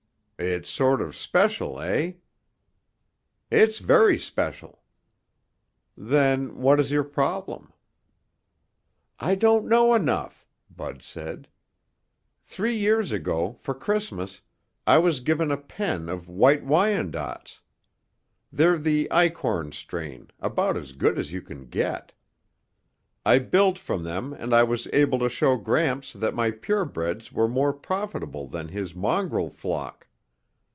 "It's sort of special, eh?" "It's very special." "Then what is your problem?" "I don't know enough," Bud said. "Three years ago, for Christmas, I was given a pen of White Wyandottes. They're the Eichorn strain, about as good as you can get. I built from them and I was able to show Gramps that my purebreds were more profitable than his mongrel flock.